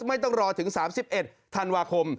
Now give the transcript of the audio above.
ไม่ต้องรอถึง๓๑ธันวาคม